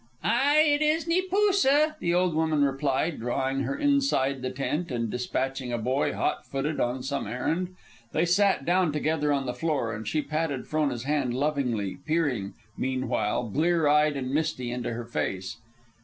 "Ay, it is Neepoosa," the old woman replied, drawing her inside the tent, and despatching a boy, hot footed, on some errand. They sat down together on the floor, and she patted Frona's hand lovingly, peering, meanwhile, blear eyed and misty, into her face.